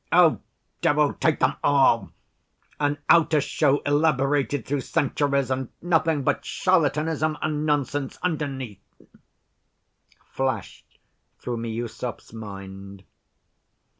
"Oh, devil take them all! An outer show elaborated through centuries, and nothing but charlatanism and nonsense underneath," flashed through Miüsov's mind.